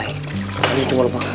ini cuma lupa kacau kok